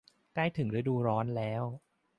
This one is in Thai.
ใกล้ถึงฤดูร้อนแล้ว